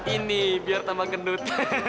ini biar tambah gendut